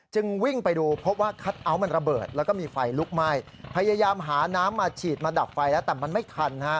วิ่งไปดูพบว่าคัทเอาท์มันระเบิดแล้วก็มีไฟลุกไหม้พยายามหาน้ำมาฉีดมาดับไฟแล้วแต่มันไม่ทันฮะ